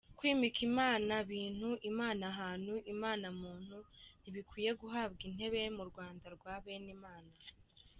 Kwimika imana-bintu, imana-hantu, imana-muntu, ntibikwiye guhabwa intebe mu Rwanda rwa Benimana.